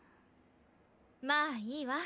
まあいいわ。